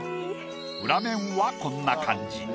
裏面はこんな感じ。